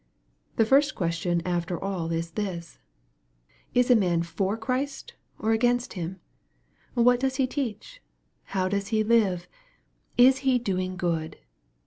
The first question after all is this :" Is a man for Christ, or against Him? What does he teach ? How does he live ? Is he doing good